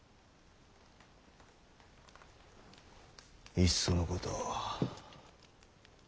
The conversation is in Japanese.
いっそのこと